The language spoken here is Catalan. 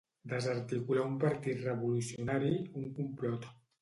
Desarticular un partit revolucionari, un complot.